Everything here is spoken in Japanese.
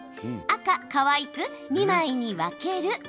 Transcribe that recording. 赤・かわいく２枚に分ける。